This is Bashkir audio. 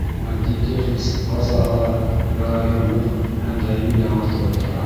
Матди-техник база ла ярайһы ныҡ һәм даими яңыртылып тора.